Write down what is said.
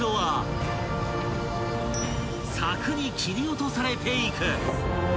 ［さくに切り落とされていく］